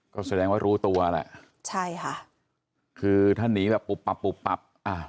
ก็แสดงว่ารู้ตัวแหละใช่ค่ะคือถ้าหนีแบบปุ๊บปับปุ๊บปับอ่า